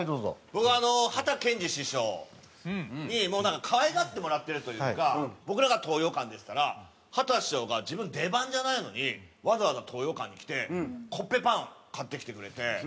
僕はたけんじ師匠にもうなんか可愛がってもらってるというか僕らが東洋館でしたらはた師匠が自分出番じゃないのにわざわざ東洋館に来てコッペパン買ってきてくれて。